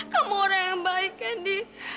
kamu orang yang baik ini